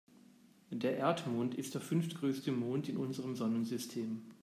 Der Erdmond ist der fünftgrößte Mond in unserem Sonnensystem.